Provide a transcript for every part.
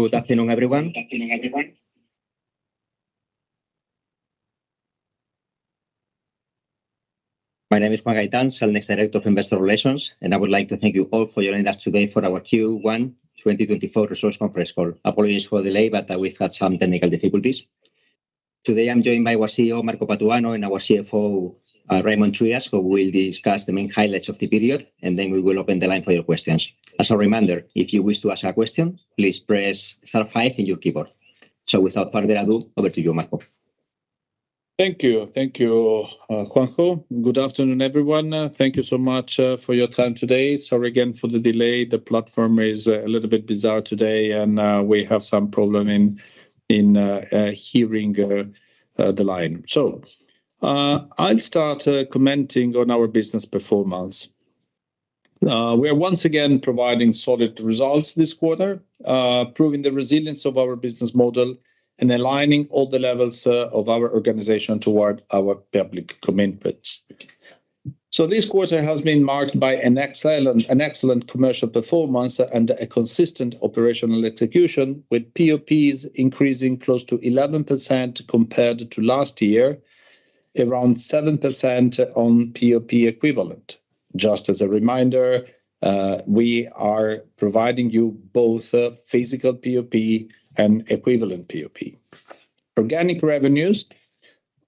Good afternoon, everyone. My name is Juan Gaitán, Cellnex Director of Investor Relations, and I would like to thank you all for joining us today for our Q1 2024 Results Conference Call. Apologies for the delay, but we've had some technical difficulties. Today I'm joined by our CEO, Marco Patuano, and our CFO, Raimon Trias, who will discuss the main highlights of the period, and then we will open the line for your questions. As a reminder, if you wish to ask a question, please press star five on your keyboard. Without further ado, over to you, Marco. Thank you, thank you, Juan. Good afternoon, everyone. Thank you so much for your time today. Sorry again for the delay. The platform is a little bit bizarre today, and we have some problem in hearing the line. So I'll start commenting on our business performance. We are once again providing solid results this quarter, proving the resilience of our business model and aligning all the levels of our organization toward our public commitments. So this quarter has been marked by an excellent commercial performance and a consistent operational execution, with POPs increasing close to 11% compared to last year, around 7% on POP equivalent. Just as a reminder, we are providing you both physical POP and equivalent POP. Organic revenues,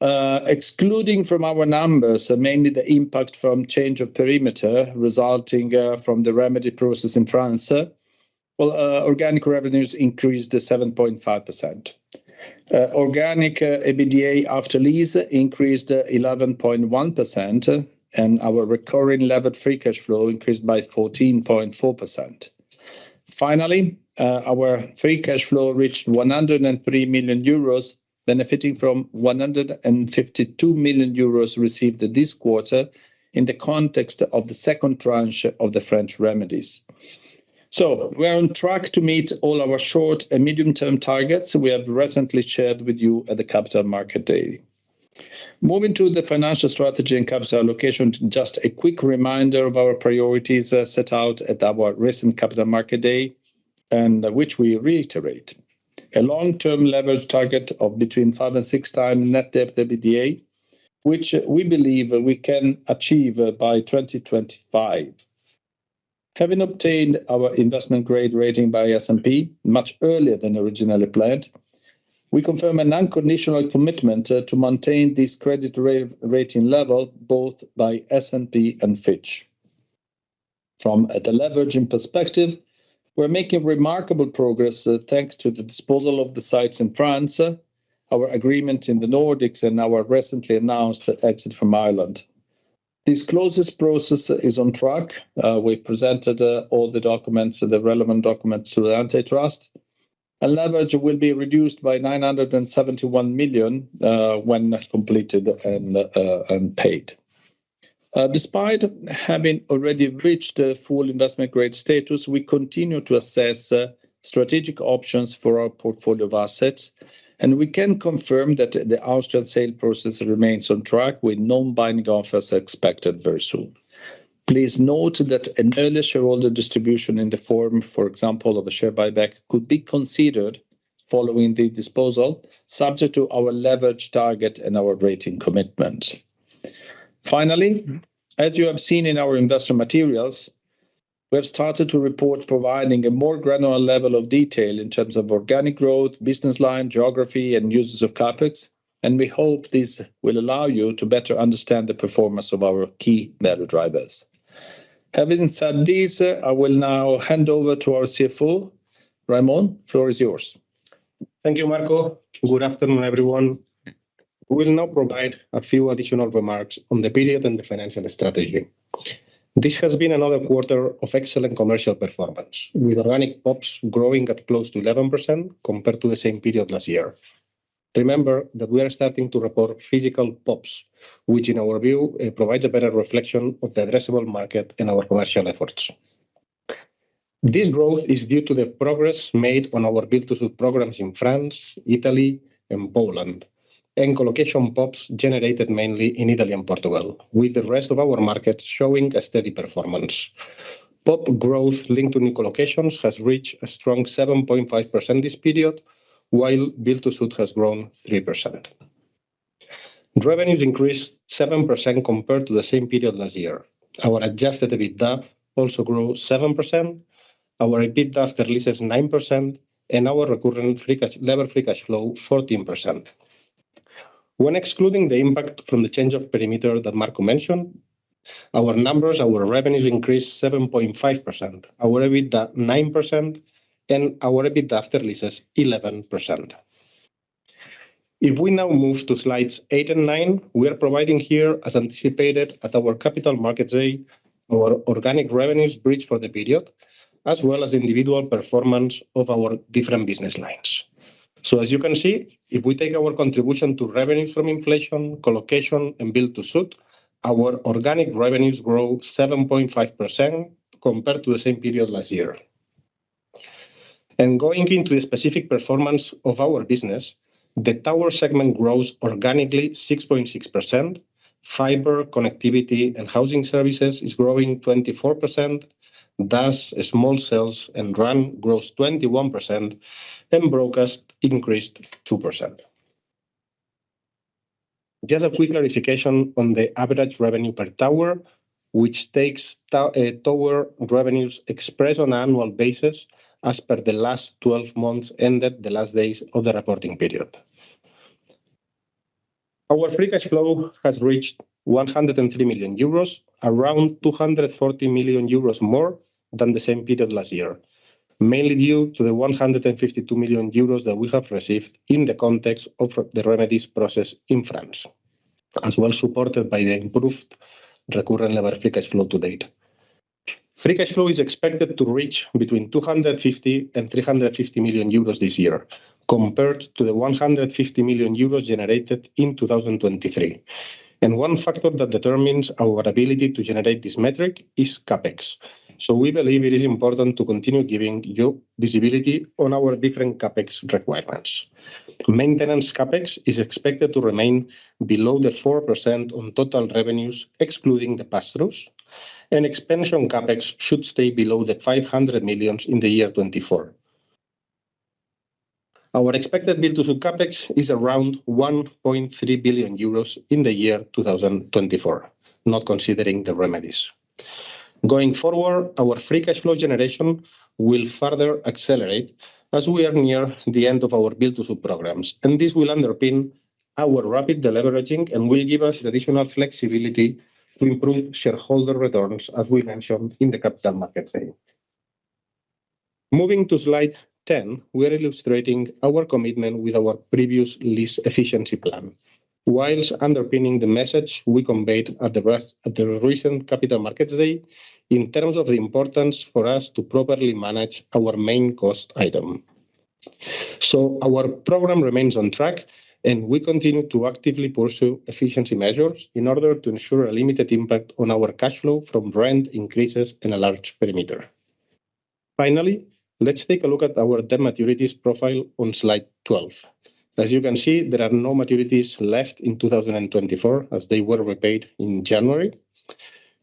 excluding from our numbers mainly the impact from change of perimeter resulting from the remedy process in France, well, organic revenues increased 7.5%. Organic EBITDA after lease increased 11.1%, and our recurring levered free cash flow increased by 14.4%. Finally, our free cash flow reached 103 million euros, benefiting from 152 million euros received this quarter in the context of the second tranche of the French remedies. We are on track to meet all our short- and medium-term targets we have recently shared with you at the Capital Markets Day. Moving to the financial strategy and capital allocation, just a quick reminder of our priorities set out at our recent Capital Markets Day, which we reiterate: a long-term levered target of between 5x and 6x Net Debt/EBITDA, which we believe we can achieve by 2025. Having obtained our investment-grade rating by S&P much earlier than originally planned, we confirm an unconditional commitment to maintain this credit rating level both by S&P and Fitch. From the leveraging perspective, we're making remarkable progress thanks to the disposal of the sites in France, our agreement in the Nordics, and our recently announced exit from Ireland. This closing process is on track. We presented all the relevant documents to the antitrust, and leverage will be reduced by 971 million when completed and paid. Despite having already reached full investment grade status, we continue to assess strategic options for our portfolio of assets, and we can confirm that the Austrian sale process remains on track with non-binding offers expected very soon. Please note that an early shareholder distribution in the form, for example, of a share buyback, could be considered following the disposal, subject to our leverage target and our rating commitment. Finally, as you have seen in our investor materials, we have started to report providing a more granular level of detail in terms of organic growth, business line, geography, and uses of capital, and we hope this will allow you to better understand the performance of our key value drivers. Having said this, I will now hand over to our CFO. Raimon, the floor is yours. Thank you, Marco. Good afternoon, everyone. We will now provide a few additional remarks on the period and the financial strategy. This has been another quarter of excellent commercial performance, with organic POPs growing at close to 11% compared to the same period last year. Remember that we are starting to report physical POPs, which in our view provides a better reflection of the addressable market and our commercial efforts. This growth is due to the progress made on our build-to-suit programs in France, Italy, and Poland, and colocation POPs generated mainly in Italy and Portugal, with the rest of our markets showing a steady performance. POP growth linked to new colocations has reached a strong 7.5% this period, while build-to-suit has grown 3%. Revenues increased 7% compared to the same period last year. Our Adjusted EBITDA also grew 7%, our EBITDA after leases 9%, and our recurring levered free cash flow 14%. When excluding the impact from the change of perimeter that Marco mentioned, our revenues increased 7.5%, our EBITDA 9%, and our EBITDA after leases 11%. If we now move to slides 8 and 9, we are providing here, as anticipated at our Capital Markets Day, our organic revenues bridge for the period, as well as individual performance of our different business lines. As you can see, if we take our contribution to revenues from inflation, colocation, and build-to-suit, our organic revenues grow 7.5% compared to the same period last year. Going into the specific performance of our business, the tower segment grows organically 6.6%, fiber, connectivity, and housing services is growing 24%, the small cells and RAN grows 21%, and broadcast increased 2%. Just a quick clarification on the average revenue per tower, which takes tower revenues expressed on an annual basis as per the last 12 months ended the last days of the reporting period. Our free cash flow has reached 103 million euros, around 240 million euros more than the same period last year, mainly due to the 152 million euros that we have received in the context of the remedies process in France, as well supported by the improved recurring levered free cash flow to date. Free cash flow is expected to reach between 250 million-350 million euros this year compared to the 150 million euros generated in 2023. One factor that determines our ability to generate this metric is CapEx, so we believe it is important to continue giving you visibility on our different CapEx requirements. Maintenance CapEx is expected to remain below the 4% on total revenues excluding the pass-throughs, and expansion CapEx should stay below 500 million in the year 2024. Our expected build-to-suit CapEx is around 1.3 billion euros in the year 2024, not considering the remedies. Going forward, our free cash flow generation will further accelerate as we are near the end of our build-to-suit programs, and this will underpin our rapid deleveraging and will give us additional flexibility to improve shareholder returns, as we mentioned in the Capital Markets Day. Moving to slide 10, we are illustrating our commitment with our previous lease efficiency plan, while underpinning the message we conveyed at the recent Capital Markets Day in terms of the importance for us to properly manage our main cost item. So our program remains on track, and we continue to actively pursue efficiency measures in order to ensure a limited impact on our cash flow from rent increases and a large perimeter. Finally, let's take a look at our debt maturities profile on slide 12. As you can see, there are no maturities left in 2024 as they were repaid in January.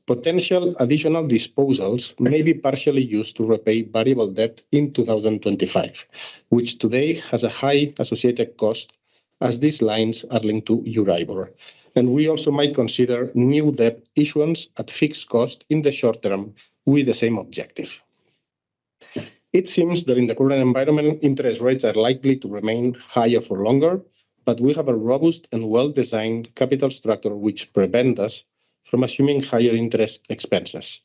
Potential additional disposals may be partially used to repay variable debt in 2025, which today has a high associated cost as these lines are linked to Euribor, and we also might consider new debt issuance at fixed cost in the short term with the same objective. It seems that in the current environment, interest rates are likely to remain higher for longer, but we have a robust and well-designed capital structure which prevents us from assuming higher interest expenses.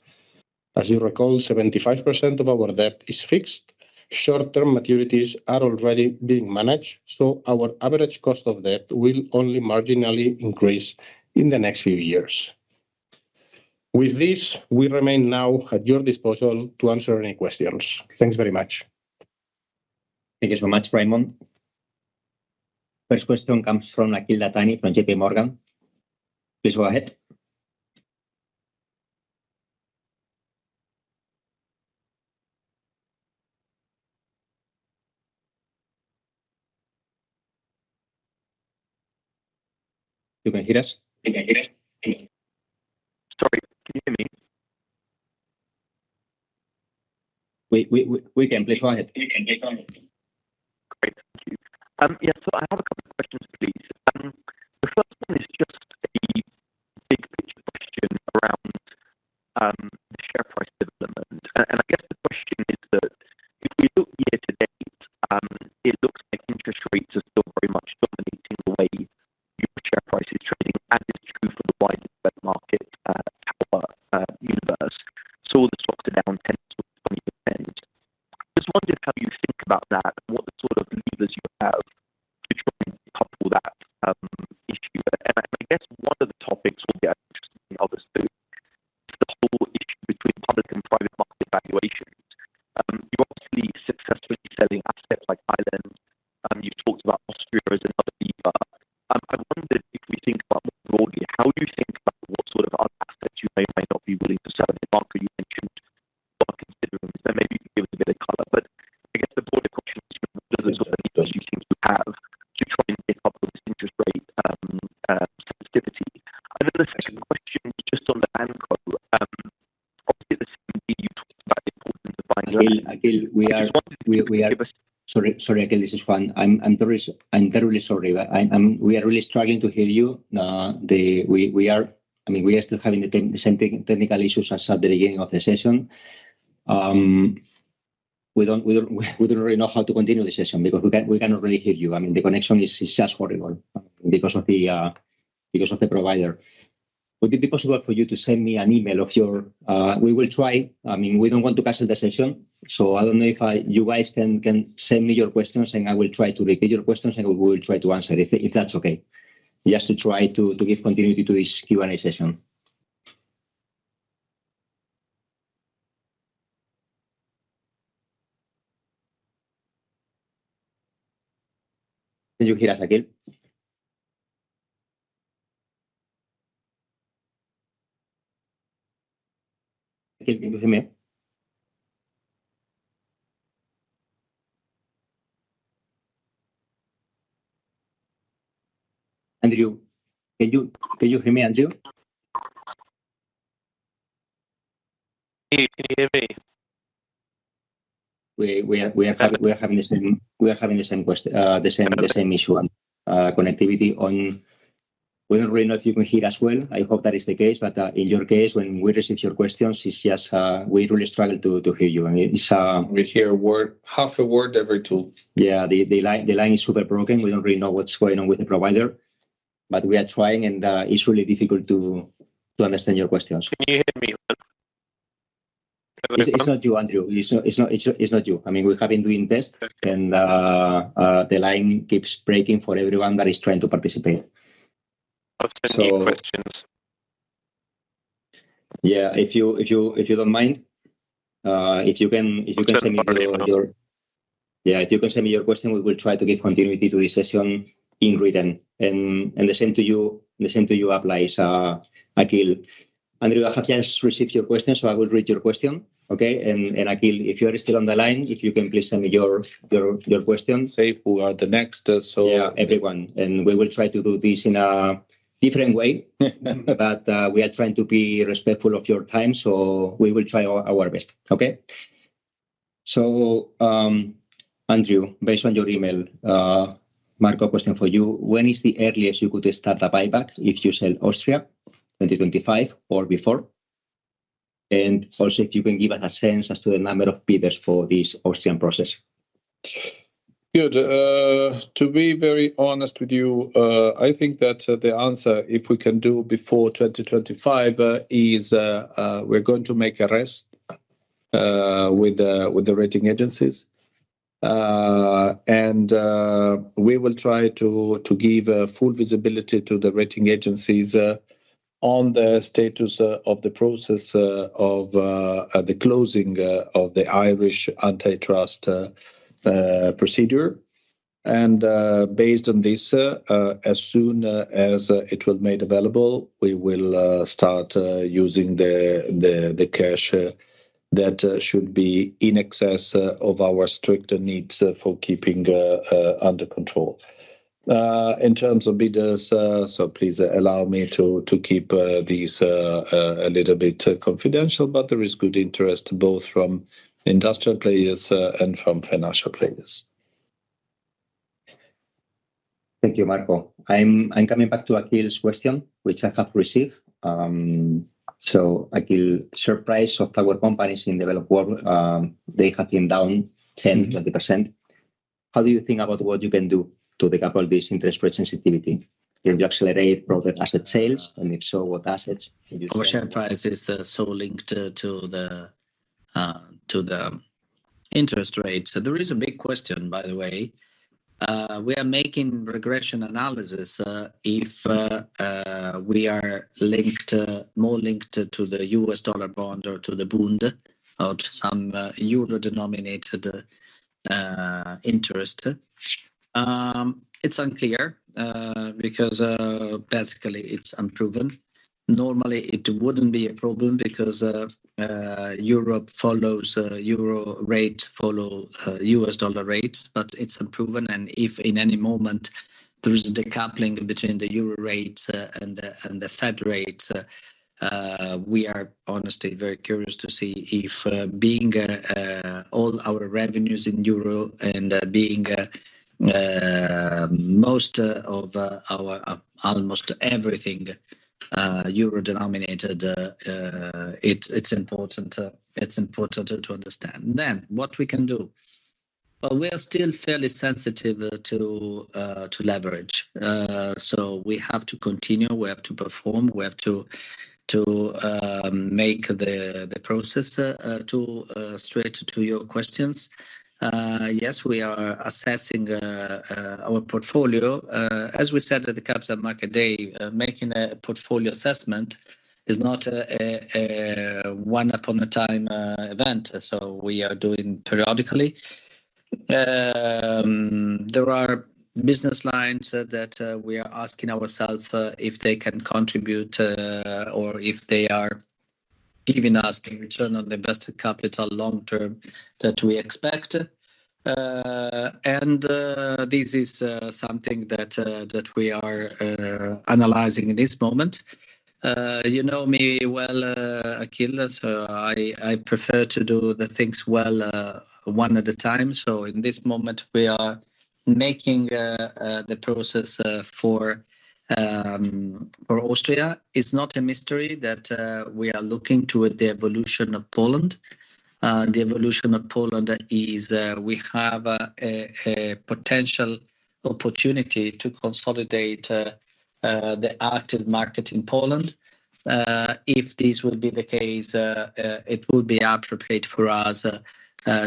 As you recall, 75% of our debt is fixed. Short-term maturities are already being managed, so our average cost of debt will only marginally increase in the next few years. With this, we remain now at your disposal to answer any questions. Thanks very much. Thank you so much, Raimon. First question comes from Akhil Dattani from JPMorgan. Please go ahead. You can hear us? Sorry, can you hear me? We can. Please go ahead. We can. Please go ahead. Great. Thank you. Yeah, so I have a couple of questions, please. Would it be possible for you to send me an email of your we will try. I mean, we don't want to cancel the session, so I don't know if you guys can send me your questions, and I will try to repeat your questions, and we will try to answer if that's okay, just to try to give continuity to this Q&A session. Can you hear us, Akhil? Akhil, can you hear me? Andrew, can you hear me, Andrew? Hey, can you hear me? We are having the same issue on connectivity. We don't really know if you can hear as well. I hope that is the case, but in your case, when we receive your questions, it's just we really struggle to hear you. I mean, it's. We hear half a word every two. Yeah, the line is super broken. We don't really know what's going on with the provider, but we are trying, and it's really difficult to understand your questions. Can you hear me? It's not you, Andrew. It's not you. I mean, we have been doing tests, and the line keeps breaking for everyone that is trying to participate. I'll send you questions. Yeah, if you don't mind, if you can send me your question, we will try to give continuity to this session in written. And the same to you applies, Akhil. Andrew, I have just received your question, so I will read your question, okay? And Akhil, if you are still on the line, if you can please send me your question. So, who are the next? Yeah, everyone. And we will try to do this in a different way, but we are trying to be respectful of your time, so we will try our best, okay? So, Andrew, based on your email, Marco, question for you. When is the earliest you could start a buyback if you sell Austria, 2025 or before? And also, if you can give us a sense as to the number of bidders for this Austrian process. Good. To be very honest with you, I think that the answer, if we can do before 2025, is we're going to make a reset with the rating agencies, and we will try to give full visibility to the rating agencies on the status of the process of the closing of the Irish antitrust procedure. Based on this, as soon as it will be made available, we will start using the cash that should be in excess of our stricter needs for keeping under control. In terms of bidders, so please allow me to keep these a little bit confidential, but there is good interest both from industrial players and from financial players. Thank you, Marco. I'm coming back to Akhil's question, which I have received. So Akhil, share price of tower companies in developed world, they have been down 10%, 20%. How do you think about what you can do to decouple this interest rate sensitivity? Can you accelerate broader asset sales, and if so, what assets can you sell? Our share price is so linked to the interest rate. There is a big question, by the way. We are making regression analysis if we are more linked to the U.S. dollar bond or to the Bund or to some euro-denominated interest. It's unclear because basically it's unproven. Normally, it wouldn't be a problem because Europe follows euro rates, follow U.S. dollar rates, but it's unproven. And if in any moment there is a decoupling between the euro rates and the Fed rates, we are honestly very curious to see if being all our revenues in euro and being most of our almost everything euro-denominated, it's important to understand. Then what we can do? Well, we are still fairly sensitive to leverage. So we have to continue. We have to perform. We have to make the process straight to your questions. Yes, we are assessing our portfolio. As we said at the Capital Markets Day, making a portfolio assessment is not a one-off event, so we are doing it periodically. There are business lines that we are asking ourselves if they can contribute or if they are giving us a return on invested capital long-term that we expect. And this is something that we are analyzing in this moment. You know me well, Akhil, so I prefer to do the things well one at a time. So in this moment, we are making the process for Austria. It's not a mystery that we are looking to the evolution of Poland. The evolution of Poland is we have a potential opportunity to consolidate the active market in Poland. If this will be the case, it would be appropriate for us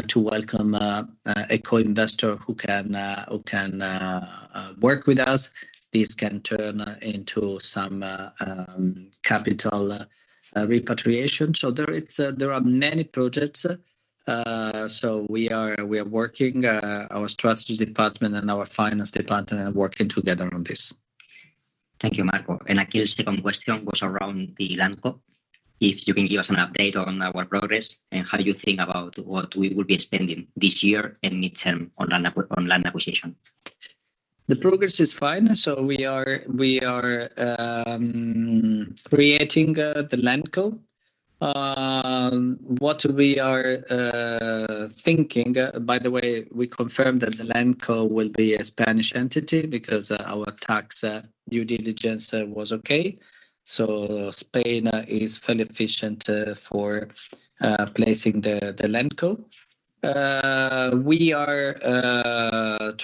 to welcome a co-investor who can work with us. This can turn into some capital repatriation. There are many projects. We are working. Our strategy department and our finance department are working together on this. Thank you, Marco. And Akhil, second question was around the LandCo. If you can give us an update on our progress and how you think about what we will be spending this year and mid-term on land acquisition. The progress is fine. So we are creating the LandCo. What we are thinking, by the way, we confirmed that the LandCo will be a Spanish entity because our tax due diligence was okay. So Spain is fairly efficient for placing the LandCo. We are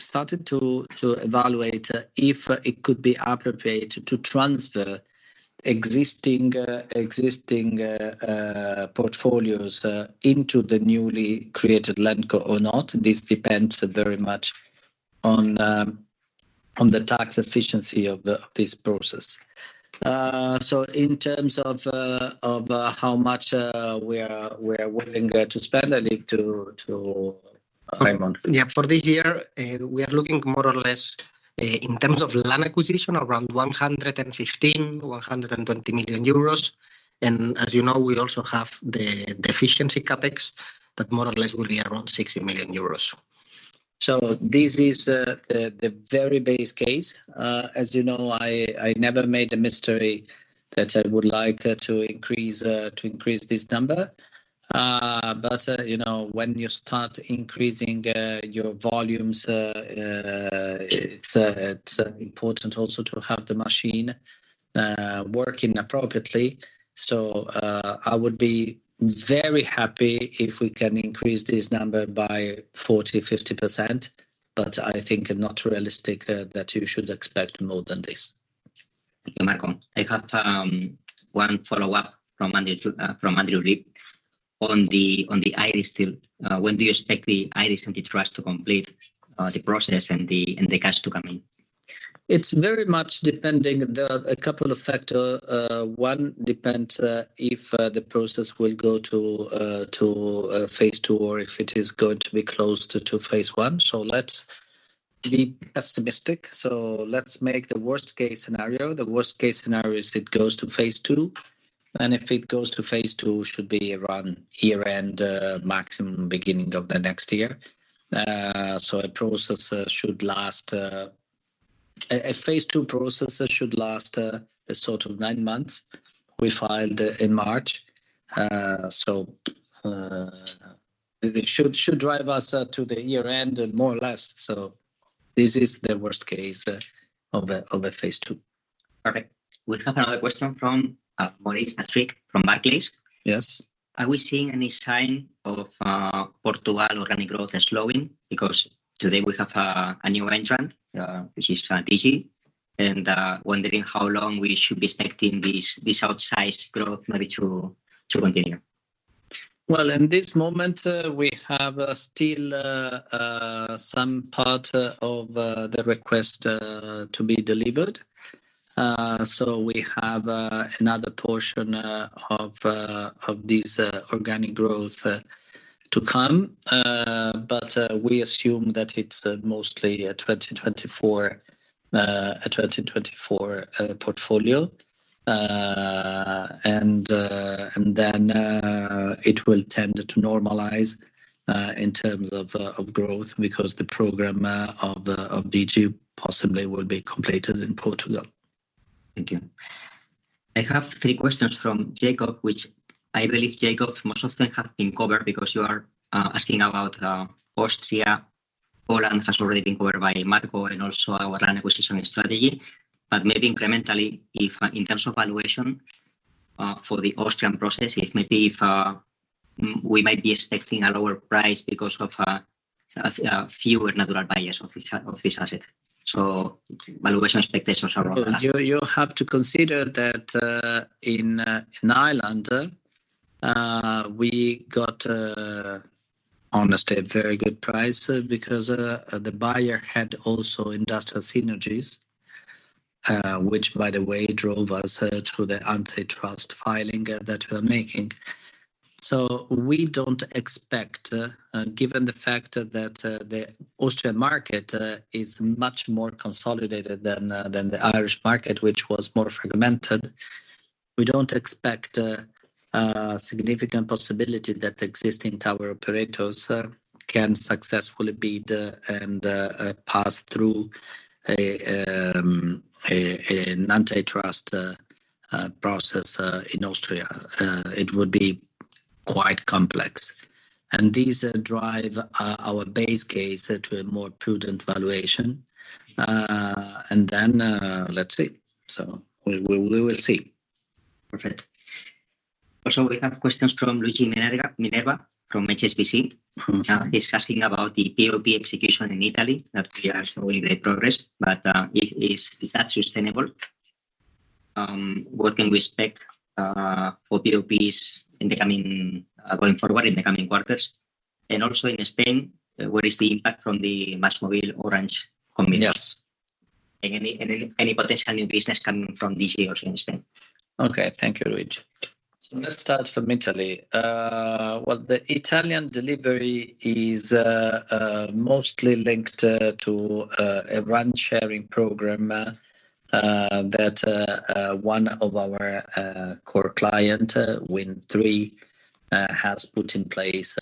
starting to evaluate if it could be appropriate to transfer existing portfolios into the newly created LandCo or not. This depends very much on the tax efficiency of this process. So in terms of how much we are willing to spend, I need to. Raimon. Yeah, for this year, we are looking more or less in terms of land acquisition around 115-120 million euros. And as you know, we also have the efficiency CapEx that more or less will be around 60 million euros. So this is the very base case. As you know, I never made a mystery that I would like to increase this number. But when you start increasing your volumes, it's important also to have the machine working appropriately. So I would be very happy if we can increase this number by 40%-50%, but I think I'm not realistic that you should expect more than this. Thank you, Marco. I have one follow-up from Andrew Lee. On the Irish deal, when do you expect the Irish antitrust to complete the process and the cash to come in? It's very much depending on a couple of factors. One depends if the process will go to phase II or if it is going to be closed to phase I. So let's be pessimistic. So let's make the worst-case scenario. The worst-case scenario is it goes to phase II. And if it goes to phase II, it should be around year-end, maximum beginning of the next year. So a phase II process should last a sort of nine months. We filed in March. So it should drive us to the year-end more or less. So this is the worst-case of a phase II. Perfect. We have another question from Maurice Patrick from Barclays. Yes. Are we seeing any sign of Portugal organic growth slowing? Because today we have a new entrant, which is Digi, and wondering how long we should be expecting this outsized growth maybe to continue. Well, in this moment, we have still some part of the request to be delivered. So we have another portion of this organic growth to come. But we assume that it's mostly a 2024 portfolio. And then it will tend to normalize in terms of growth because the programme of Digi possibly will be completed in Portugal. Thank you. I have three questions from Jacob, which I believe Jacob most often has been covered because you are asking about Austria. Poland has already been covered by Marco and also our land acquisition strategy. But maybe incrementally, in terms of valuation for the Austrian process, maybe we might be expecting a lower price because of fewer natural buyers of this asset. So valuation expectations are around that. You'll have to consider that in Ireland, we got honestly a very good price because the buyer had also industrial synergies, which, by the way, drove us to the antitrust filing that we are making. So we don't expect, given the fact that the Austrian market is much more consolidated than the Irish market, which was more fragmented, we don't expect a significant possibility that existing tower operators can successfully bid and pass through an antitrust process in Austria. It would be quite complex. And these drive our base case to a more prudent valuation. And then let's see. So we will see. Perfect. Also, we have questions from Luigi Minerva from HSBC. He's asking about the POP execution in Italy that we are showing the progress, but is that sustainable? What can we expect for POPs going forward in the coming quarters? Also in Spain, where is the impact from the MásMóvil Orange consolidation? Yes. Any potential new business coming from Digi also in Spain? Okay. Thank you, Luigi. So let's start from Italy. Well, the Italian delivery is mostly linked to a RAN sharing program that one of our core clients, WindTre, has put in place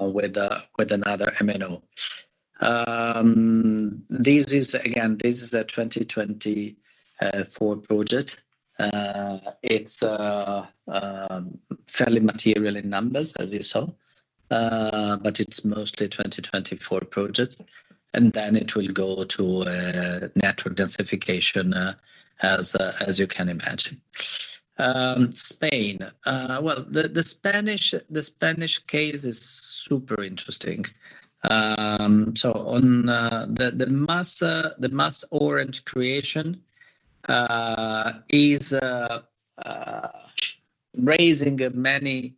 with another MNO. Again, this is a 2024 project. It's fairly material in numbers, as you saw, but it's mostly a 2024 project. And then it will go to network densification, as you can imagine. Spain. Well, the Spanish case is super interesting. So the MasOrange creation is raising many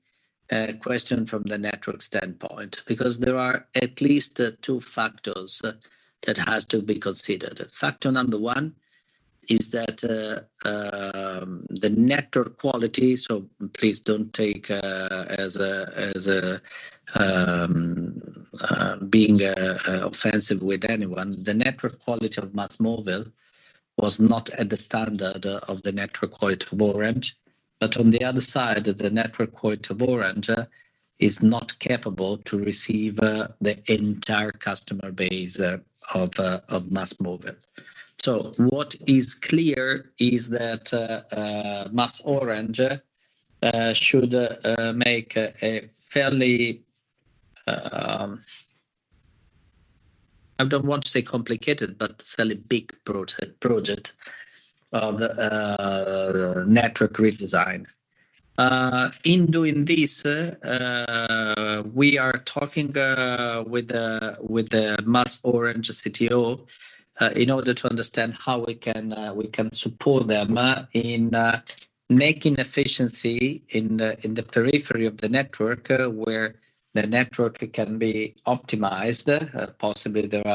questions from the network standpoint because there are at least two factors that have to be considered. Factor number one is that the network quality, so please don't take as being offensive with anyone, the network quality of MásMóvil was not at the standard of the network quality of Orange. But on the other side, the network quality of Orange is not capable to receive the entire customer base of MásMóvil. So what is clear is that MasOrange should make a fairly, I don't want to say complicated, but fairly big project of network redesign. In doing this, we are talking with MasOrange CTO in order to understand how we can support them in making efficiency in the periphery of the network where the network can be optimized. Possibly, there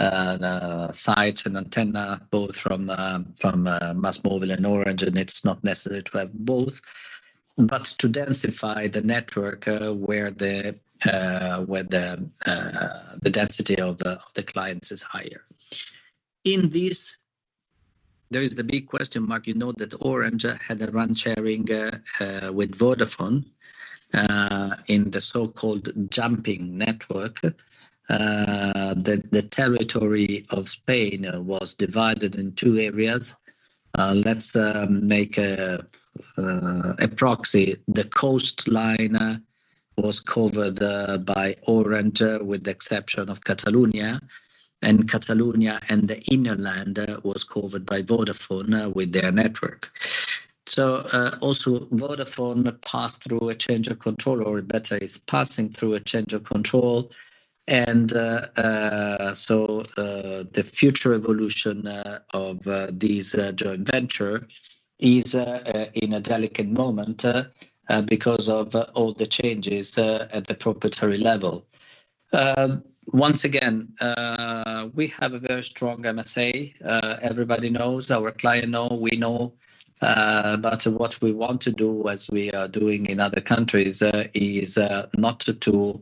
are sites, an antenna, both from MásMóvil and Orange, and it's not necessary to have both. But to densify the network where the density of the clients is higher. In this, there is the big question mark. You know that Orange had a RAN sharing with Vodafone in the so-called Jumping network. The territory of Spain was divided in two areas. Let's make a proxy. The coastline was covered by Orange with the exception of Catalonia. Catalonia and the inner land was covered by Vodafone with their network. So also, Vodafone passed through a change of control, or better, is passing through a change of control. The future evolution of this joint venture is in a delicate moment because of all the changes at the proprietary level. Once again, we have a very strong MSA. Everybody knows. Our clients know. We know. But what we want to do, as we are doing in other countries, is not to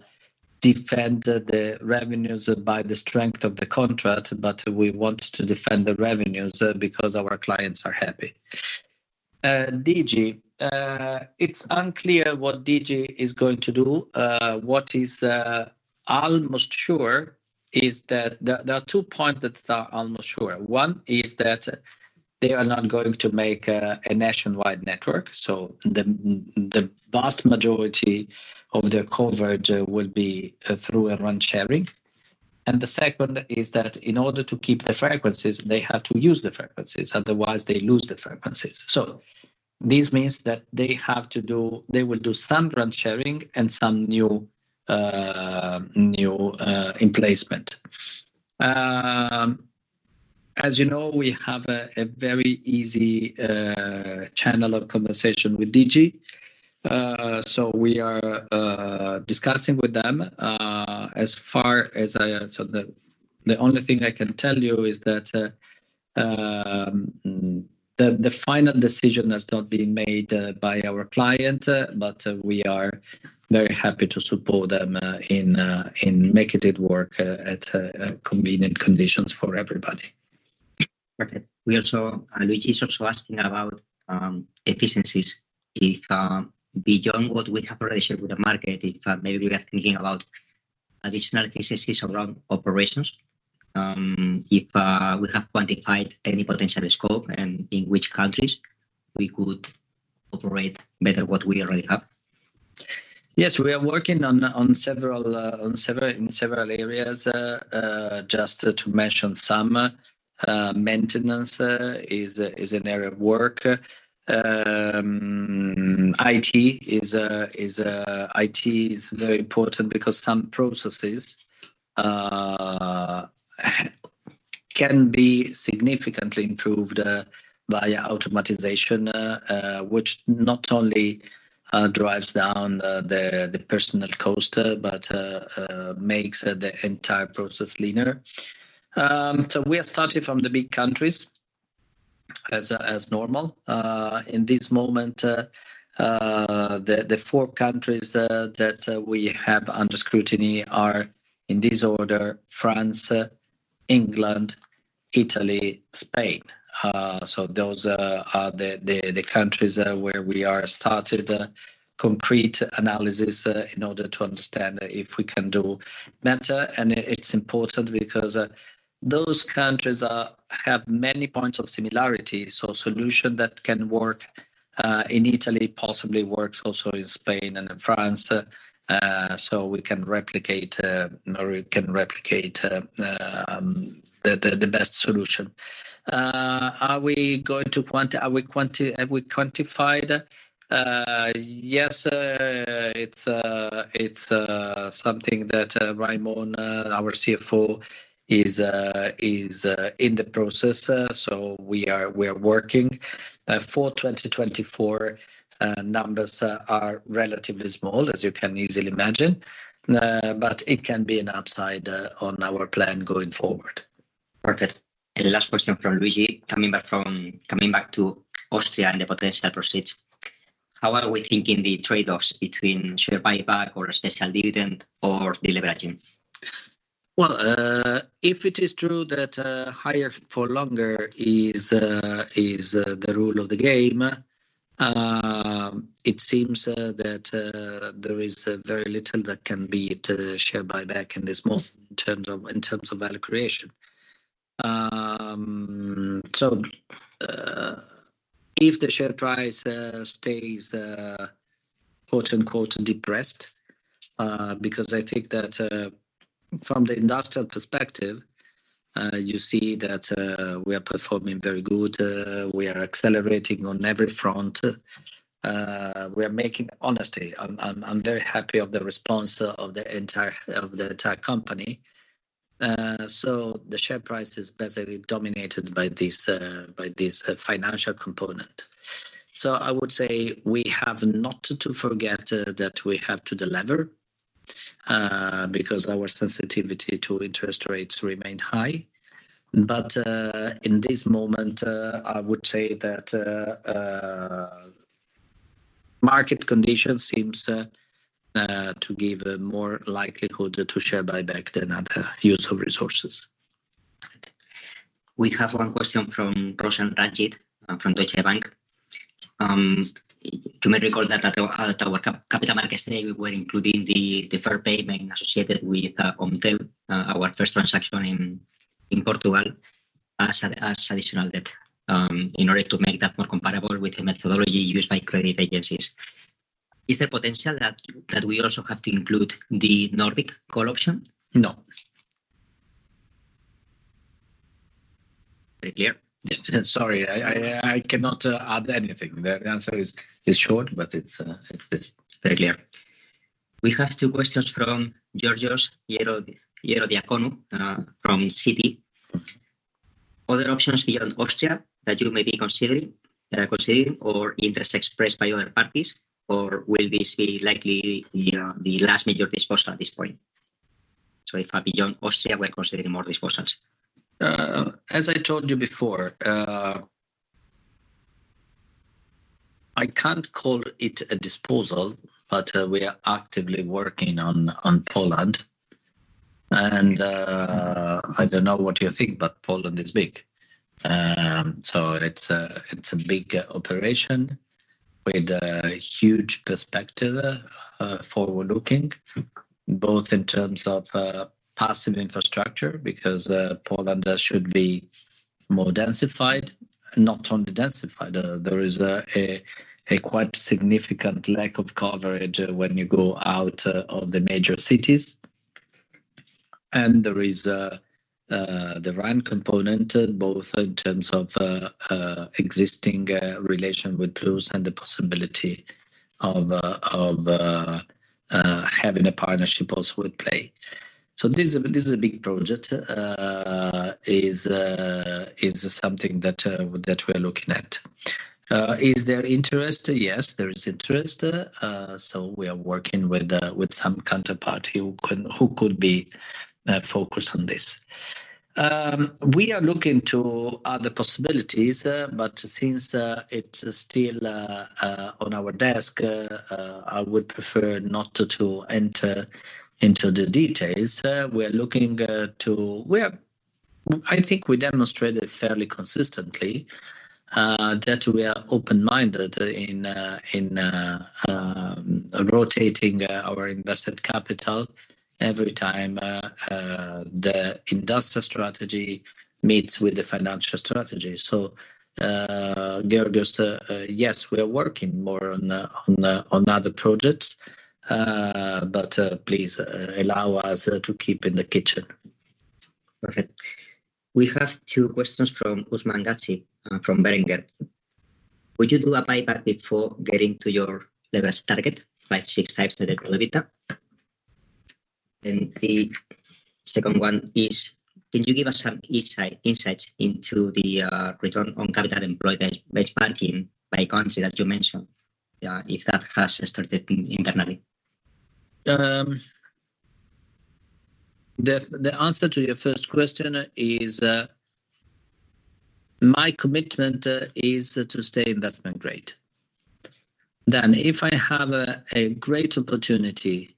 defend the revenues by the strength of the contract, but we want to defend the revenues because our clients are happy. Digi. It's unclear what Digi is going to do. What is almost sure is that there are two points that are almost sure. One is that they are not going to make a nationwide network. So the vast majority of their coverage would be through a RAN sharing. And the second is that in order to keep the frequencies, they have to use the frequencies. Otherwise, they lose the frequencies. So this means that they will do some RAN sharing and some new deployment. As you know, we have a very easy channel of conversation with Digi. So we are discussing with them. As far as I know, the only thing I can tell you is that the final decision has not been made by our client, but we are very happy to support them in making it work at convenient conditions for everybody. Perfect. Luigi is also asking about efficiencies. Beyond what we have already shared with the market, if maybe we are thinking about additional efficiencies around operations, if we have quantified any potential scope and in which countries we could operate better what we already have. Yes. We are working in several areas. Just to mention some, maintenance is an area of work. IT is very important because some processes can be significantly improved via automation, which not only drives down the personnel cost but makes the entire process leaner. So we are starting from the big countries as normal. In this moment, the four countries that we have under scrutiny are in this order: France, England, Italy, Spain. So those are the countries where we are starting concrete analysis in order to understand if we can do better. And it's important because those countries have many points of similarity. So a solution that can work in Italy possibly works also in Spain and in France. So we can replicate or we can replicate the best solution. Are we quantified? Yes. It's something that Raimon, our CFO, is in the process. So we are working. For 2024, numbers are relatively small, as you can easily imagine. But it can be an upside on our plan going forward. Perfect. Last question from Luigi, coming back to Austria and the potential proceeds. How are we thinking the trade-offs between share buyback or a special dividend or deleveraging? Well, if it is true that higher for longer is the rule of the game, it seems that there is very little that can be share buyback in this moment in terms of value creation. So if the share price stays "depressed" because I think that from the industrial perspective, you see that we are performing very good. We are accelerating on every front. Honestly, I'm very happy with the response of the entire company. So the share price is basically dominated by this financial component. So I would say we have not to forget that we have to deliver because our sensitivity to interest rates remains high. But in this moment, I would say that market condition seems to give more likelihood to share buyback than other use of resources. We have one question from Roshan Ranjit from Deutsche Bank. You may recall that at our Capital Markets Day, we were including the first payment associated with Omtel, our first transaction in Portugal, as additional debt in order to make that more comparable with the methodology used by credit agencies. Is there potential that we also have to include the Nordic call option? No. Very clear? Sorry. I cannot add anything. The answer is short, but it's this. Very clear. We have two questions from Georgios Ierodiakonou from Citi. Other options beyond Austria that you may be considering or interest expressed by other parties, or will this be likely the last major disposal at this point? So if beyond Austria, we're considering more disposals. As I told you before, I can't call it a disposal, but we are actively working on Poland. I don't know what you think, but Poland is big. It's a big operation with a huge perspective, forward-looking, both in terms of passive infrastructure because Poland should be more densified, not only densified. There is a quite significant lack of coverage when you go out of the major cities. There is the RAN component, both in terms of existing relation with Plus and the possibility of having a partnership also at play. This is a big project, something that we are looking at. Is there interest? Yes, there is interest. We are working with some counterpart who could be focused on this. We are looking to other possibilities, but since it's still on our desk, I would prefer not to enter into the details. We are looking to. I think we demonstrated fairly consistently that we are open-minded in rotating our invested capital every time the industrial strategy meets with the financial strategy. So Georgios, yes, we are working more on other projects. But please allow us to keep in the kitchen. Perfect. We have two questions from Usman Ghazi from Berenberg. Would you do a buyback before getting to your leverage target, 5-6x net debt to EBITDA? And the second one is, can you give us some insights into the return on capital employed-based ranking by country that you mentioned, if that has started internally? The answer to your first question is my commitment is to stay investment grade. Then if I have a great opportunity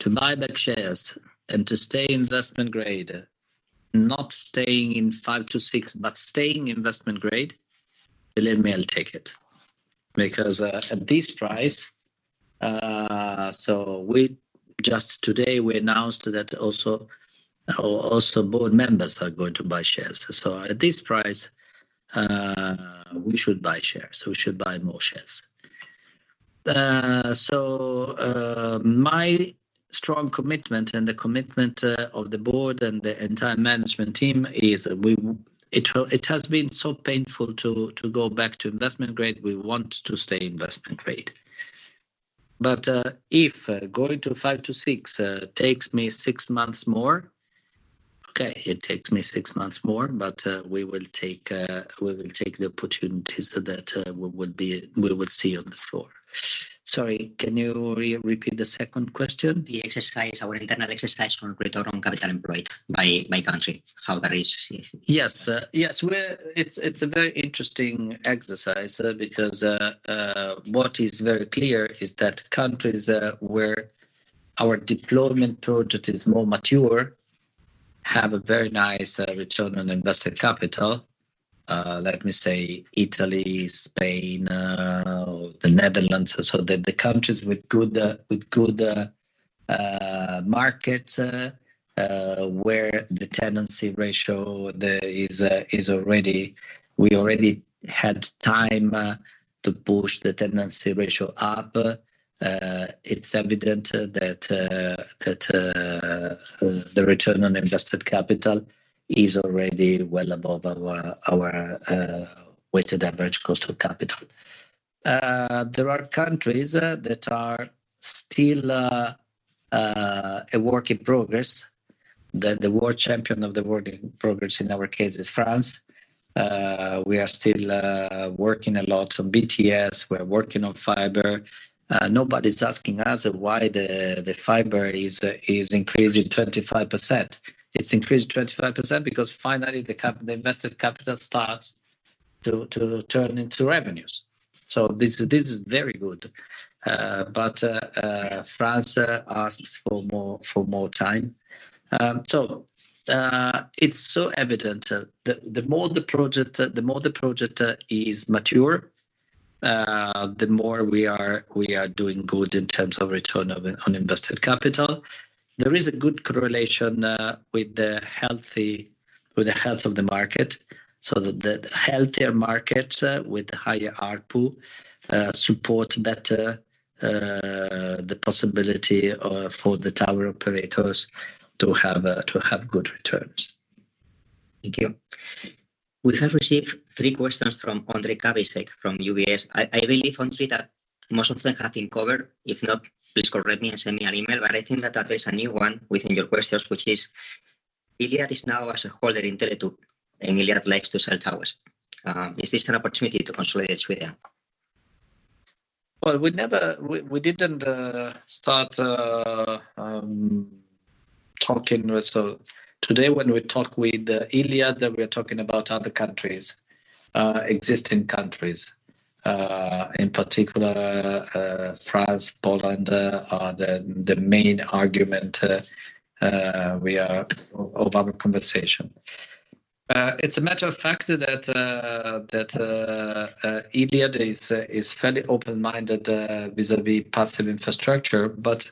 to buy back shares and to stay investment grade, not staying in 5-6, but staying investment grade, believe me, I'll take it because at this price so just today, we announced that also board members are going to buy shares. So at this price, we should buy shares. We should buy more shares. So my strong commitment and the commitment of the board and the entire management team is it has been so painful to go back to investment grade. We want to stay investment grade. But if going to 5-6 takes me six months more okay, it takes me six months more, but we will take the opportunities that we will see on the floor. Sorry. Can you repeat the second question? The internal exercise on return on capital employed by country, how that is. Yes. Yes. It's a very interesting exercise because what is very clear is that countries where our deployment project is more mature have a very nice return on invested capital. Let me say Italy, Spain, the Netherlands. So the countries with good markets where the tenancy ratio is already. We had time to push the tenancy ratio up. It's evident that the return on invested capital is already well above our weighted average cost of capital. There are countries that are still a work in progress. The world champion of the work in progress in our case is France. We are still working a lot on BTS. We are working on fiber. Nobody's asking us why the fiber is increasing 25%. It's increased 25% because finally, the invested capital starts to turn into revenues. So this is very good. But France asks for more time. It's so evident that the more the project is mature, the more we are doing good in terms of return on invested capital. There is a good correlation with the health of the market. The healthier markets with the higher ARPU support better the possibility for the tower operators to have good returns. Thank you. We have received three questions from Ondrej Cabejsek from UBS. I believe, Ondrej, that most of them have been covered. If not, please correct me and send me an email. But I think that there is a new one within your questions, which is Iliad is now as a holder in Tele2, and Iliad likes to sell towers. Is this an opportunity to consolidate Sweden? Well, we didn't start talking with Iliad so today, when we talk with Iliad, we are talking about other countries, existing countries. In particular, France, Poland are the main argument of our conversation. It's a matter of fact that Iliad is fairly open-minded vis-à-vis passive infrastructure. But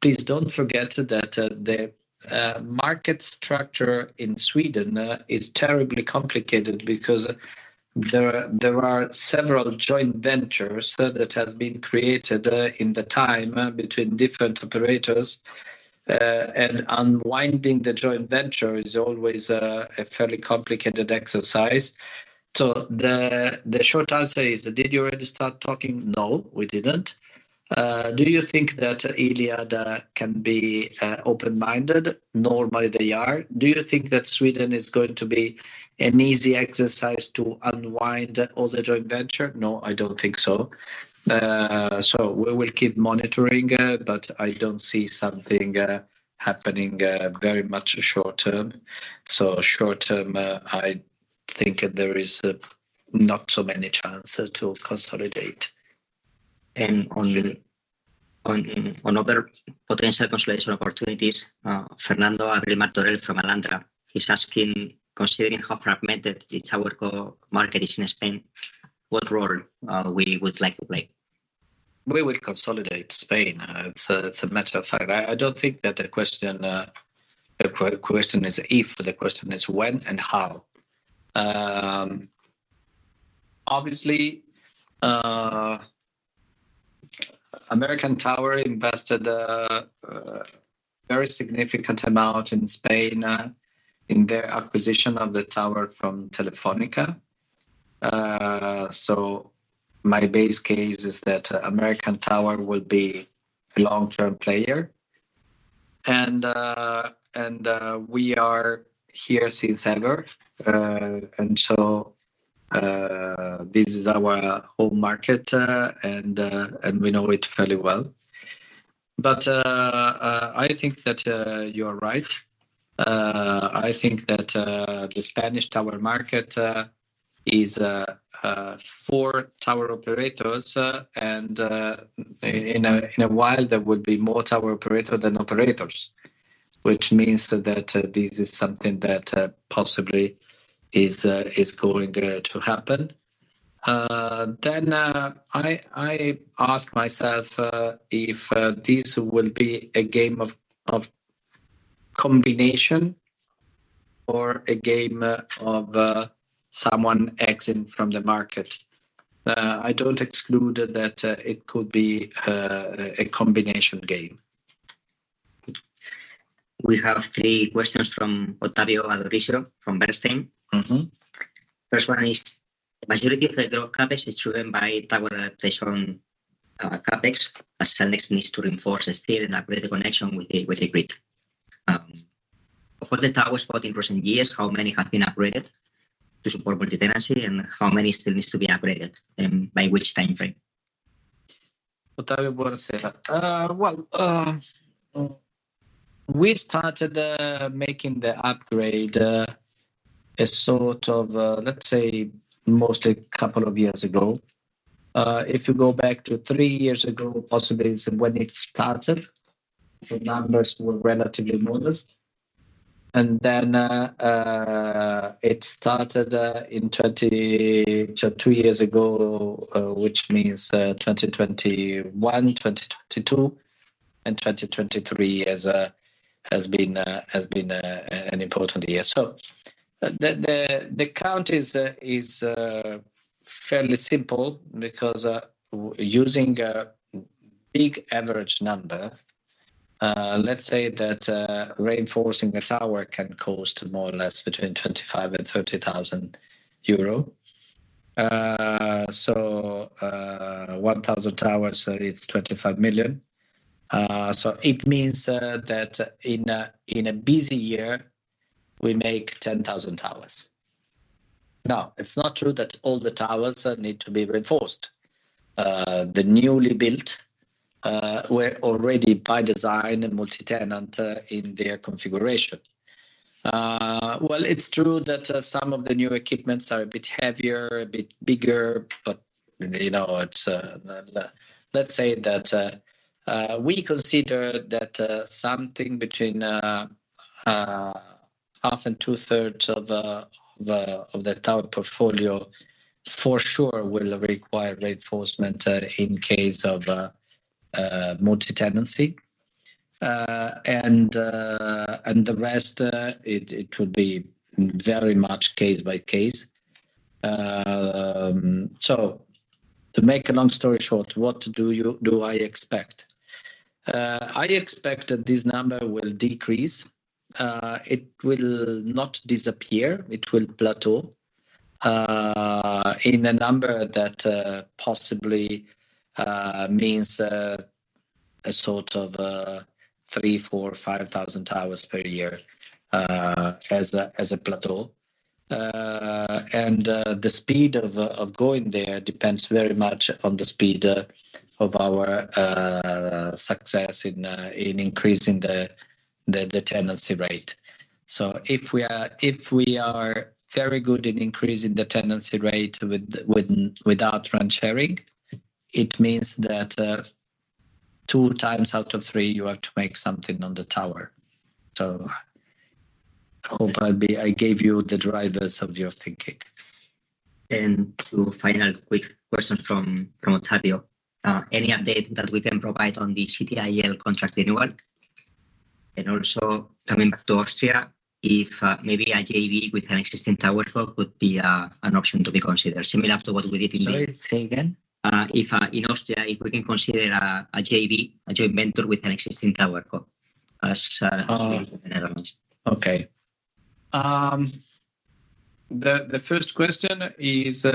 please don't forget that the market structure in Sweden is terribly complicated because there are several joint ventures that have been created over time between different operators. And unwinding the joint venture is always a fairly complicated exercise. So the short answer is, did you already start talking? No, we didn't. Do you think that Iliad can be open-minded? Normally, they are. Do you think that Sweden is going to be an easy exercise to unwind all the joint venture? No, I don't think so. So we will keep monitoring, but I don't see something happening very much short term. Short term, I think there is not so many chances to consolidate. On other potential consolidation opportunities, Fernando Abril-Martorell from Alantra, he's asking, considering how fragmented the tower market is in Spain, what role we would like to play? We will consolidate Spain. It's a matter of fact. I don't think that the question is if. The question is when and how. Obviously, American Tower invested a very significant amount in Spain in their acquisition of the tower from Telefónica. So my base case is that American Tower will be a long-term player. And we are here since ever. And so this is our home market, and we know it fairly well. But I think that you are right. I think that the Spanish tower market is four tower operators. And in a while, there will be more tower operators than operators, which means that this is something that possibly is going to happen. Then I ask myself if this will be a game of combination or a game of someone exiting from the market. I don't exclude that it could be a combination game. We have three questions from Ottavio Adorisio from Bernstein. First one is, the majority of the growth CapEx is driven by tower adaptation CapEx. As Cellnex needs to reinforce steel and upgrade the connection with the grid. Of all the towers bought in recent years, how many have been upgraded to support multitenancy, and how many still need to be upgraded and by which time frame? Ottavio Adorisio. Well, we started making the upgrade a sort of, let's say, mostly a couple of years ago. If you go back to three years ago, possibly when it started, the numbers were relatively modest. Then it started two years ago, which means 2021, 2022, and 2023 has been an important year. The count is fairly simple because using a big average number, let's say that reinforcing a tower can cost more or less between 25,000 and 30,000 euro. So 1,000 towers, it's 25 million. It means that in a busy year, we make 10,000 towers. Now, it's not true that all the towers need to be reinforced. The newly built were already by design multitenant in their configuration. Well, it's true that some of the new equipment is a bit heavier, a bit bigger, but let's say that we consider that something between half and two-thirds of the tower portfolio for sure will require reinforcement in case of multitenancy. And the rest, it would be very much case by case. So to make a long story short, what do I expect? I expect that this number will decrease. It will not disappear. It will plateau in a number that possibly means a sort of 3,000, 4,000, 5,000 towers per year as a plateau. And the speed of going there depends very much on the speed of our success in increasing the tenancy rate. So if we are very good in increasing the tenancy rate without RAN sharing, it means that two times out of three, you have to make something on the tower. I hope I gave you the drivers of your thinking. Two final quick questions from Ottavio. Any update that we can provide on the CTIL contract renewal? Also coming back to Austria, maybe a JV with an existing towerco could be an option to be considered, similar to what we did in. Sorry. Say again. If in Austria, if we can consider a JV, a joint venture with an existing towerco as in the Netherlands. Okay. The first question is,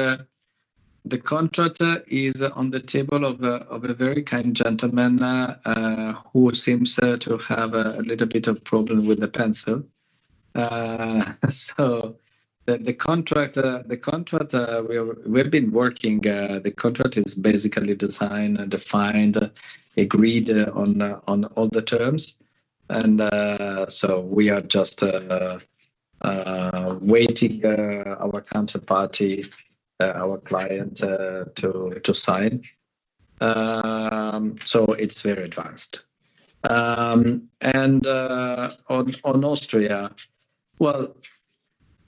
the contract is on the table of a very kind gentleman who seems to have a little bit of problem with the pencil. So the contract we've been working, the contract is basically designed, defined, agreed on all the terms. And so we are just waiting our counterparty, our client, to sign. So it's very advanced. And on Austria, well,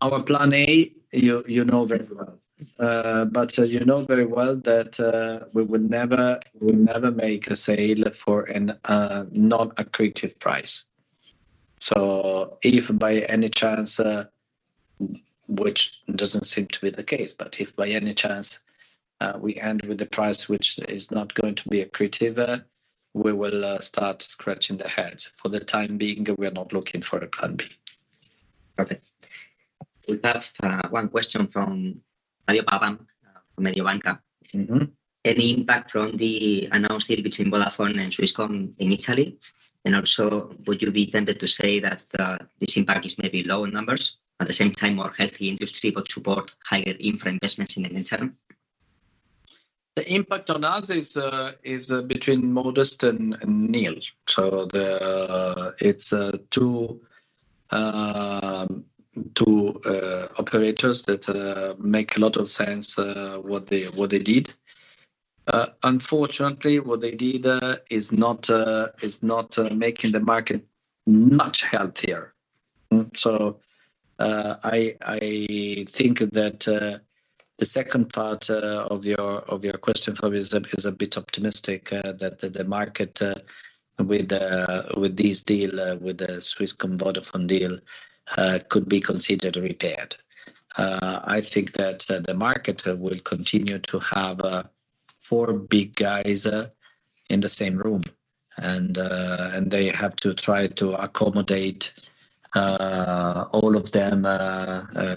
our plan A, you know very well. But you know very well that we will never make a sale for a non-accretive price. So if by any chance, which doesn't seem to be the case, but if by any chance, we end with a price which is not going to be accretive, we will start scratching the head. For the time being, we are not looking for a plan B. Perfect. We have one question from Fabio Pavan, from Mediobanca. Any impact from the announcement between Vodafone and Swisscom in Italy? And also, would you be tempted to say that this impact is maybe low in numbers, at the same time more healthy industry would support higher infra investments in the near term? The impact on us is between modest and nil. So it's two operators that make a lot of sense what they did. Unfortunately, what they did is not making the market much healthier. So I think that the second part of your question, Fabio, is a bit optimistic that the market with this deal, with the Swisscom-Vodafone deal, could be considered repaired. I think that the market will continue to have four big guys in the same room, and they have to try to accommodate all of them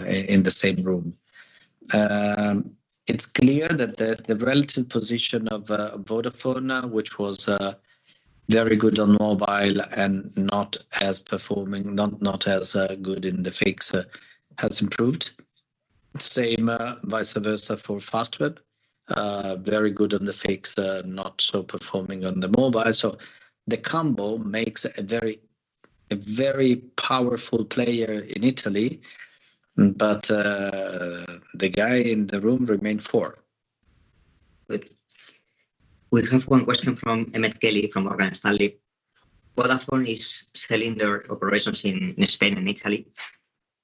in the same room. It's clear that the relative position of Vodafone, which was very good on mobile and not as performing, not as good in the fix, has improved. Same vice versa for Fastweb, very good on the fix, not so performing on the mobile. So the combo makes a very powerful player in Italy. But the guy in the room remained four. We have one question from Emmet Kelly from Morgan Stanley. Vodafone is selling their operations in Spain and Italy.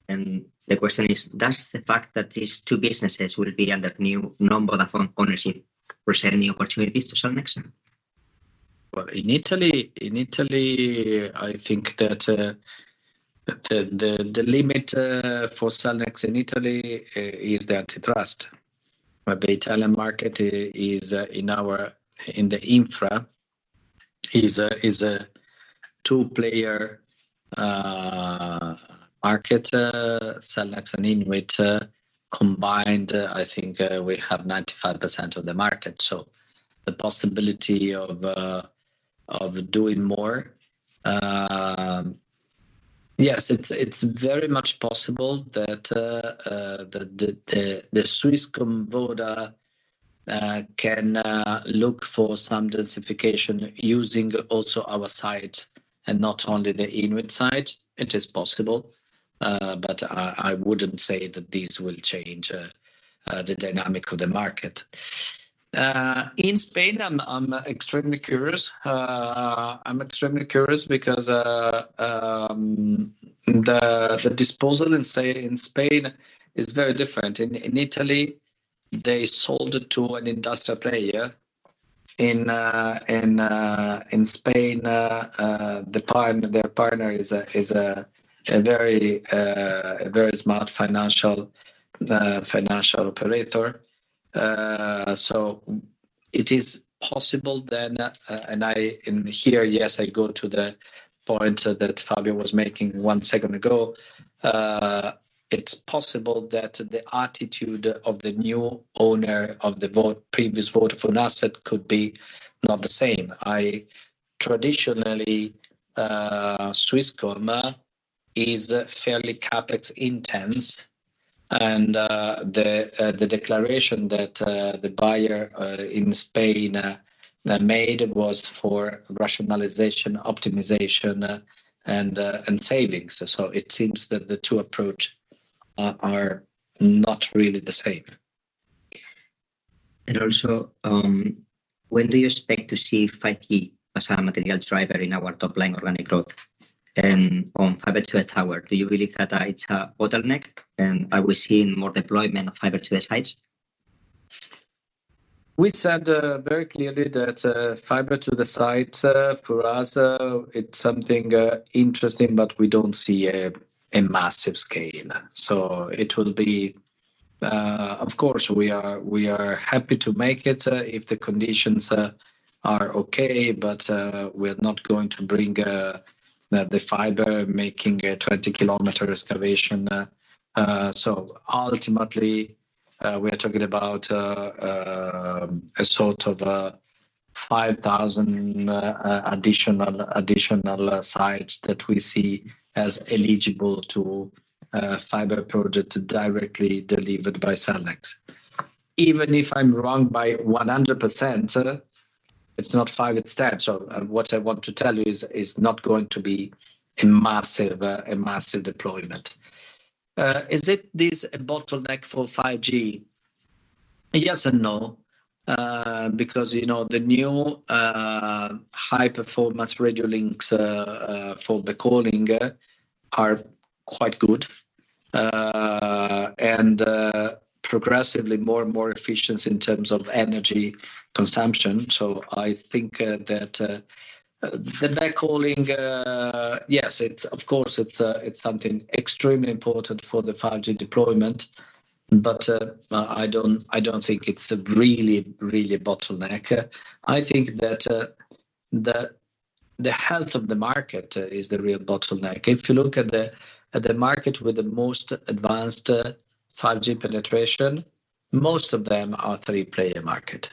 The question is, does the fact that these two businesses will be under new non-Vodafone ownership present new opportunities to Cellnex? Well, in Italy, I think that the limit for Cellnex in Italy is the antitrust. The Italian market in the infra is a two-player market, Cellnex and INWIT combined. I think we have 95% of the market. So the possibility of doing more, yes, it's very much possible that the Swisscom-Voda can look for some densification using also our site and not only the INWIT site. It is possible. But I wouldn't say that these will change the dynamic of the market. In Spain, I'm extremely curious. I'm extremely curious because the disposal in Spain is very different. In Italy, they sold it to an industrial player. In Spain, their partner is a very smart financial operator. So it is possible then and here, yes, I go to the point that Fabio was making one second ago. It's possible that the attitude of the new owner of the previous Vodafone asset could be not the same. Traditionally, Swisscom is fairly CapEx intense. The declaration that the buyer in Spain made was for rationalization, optimization, and savings. It seems that the two approaches are not really the same. Also, when do you expect to see 5G as a material driver in our top-line organic growth? And on fiber-to-the-tower, do you believe that it's a bottleneck and are we seeing more deployment of fiber-to-air sites? We said very clearly that fiber-to-the-site, for us, it's something interesting, but we don't see a massive scale. So it will be of course, we are happy to make it if the conditions are okay. But we are not going to bring the fiber making a 20-km excavation. So ultimately, we are talking about a sort of 5,000 additional sites that we see as eligible to fiber projects directly delivered by Cellnex. Even if I'm wrong by 100%, it's not 5 instead. So what I want to tell you is not going to be a massive deployment. Is this a bottleneck for 5G? Yes and no. Because the new high-performance radio links for the backhauling are quite good and progressively more and more efficient in terms of energy consumption. So I think that the backhauling, yes, of course, it's something extremely important for the 5G deployment. But I don't think it's really, really a bottleneck. I think that the health of the market is the real bottleneck. If you look at the market with the most advanced 5G penetration, most of them are three-player market: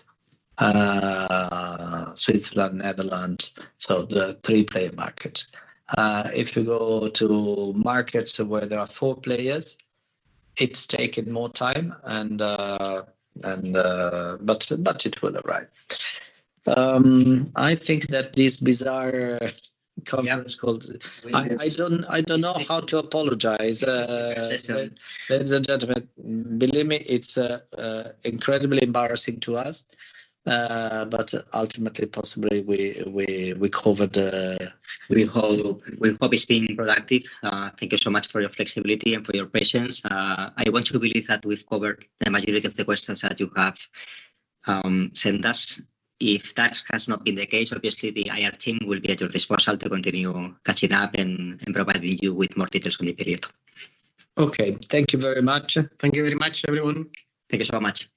Switzerland, Netherlands, so the three-player markets. If you go to markets where there are four players, it's taken more time. But it will arrive. I think that this bizarre conference call, I don't know how to apologize. Ladies and gentlemen, believe me, it's incredibly embarrassing to us. But ultimately, possibly, we hope it's being productive. Thank you so much for your flexibility and for your patience. I want to believe that we've covered the majority of the questions that you have sent us. If that has not been the case, obviously, the IR team will be at your disposal to continue catching up and providing you with more details in the period. Okay. Thank you very much. Thank you very much, everyone. Thank you so much.